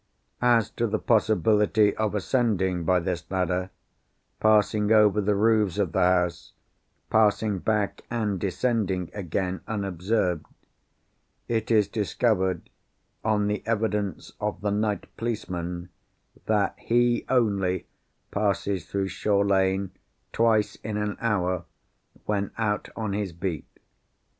As to the possibility of ascending by this ladder, passing over the roofs of the houses, passing back, and descending again, unobserved—it is discovered, on the evidence of the night policeman, that he only passes through Shore Lane twice in an hour, when out on his beat.